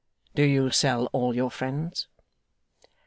'Do you sell all your friends?